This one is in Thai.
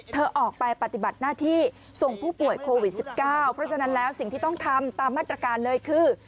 เธอออกไปปฏิบัติหน้าที่ส่งผู้ป่วยโควิด๑๙เพราะฉะนั้นแล้วสิ่งที่ต้องทำตามมาตรการเลยคือ